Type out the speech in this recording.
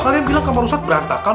kalian bilang kamar ustadz berantakan